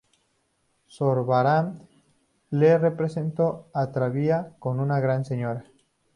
Zurbarán la representó ataviada como una gran señora.